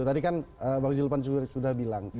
tadi kan bang zulpan sudah bilang